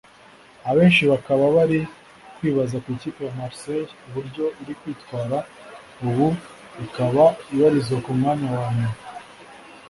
abeshi bakaba bari kwibaza kw’ ikipe ya Marseille uburyo iri kwitwara ubu ikaba ibarizwa ku mwanya wa nyuma